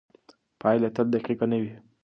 پایله تل دقیقه نه وي.